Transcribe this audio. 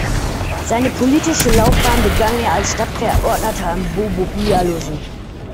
Seine politische Laufbahn begann er als Stadtverordneter in Bobo-Dioulasso.